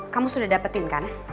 kamu sudah dapetin kan